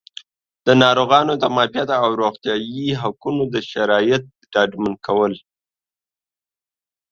د ناروغانو د معافیت او روغتیایي حقونو د شرایطو ډاډمن کول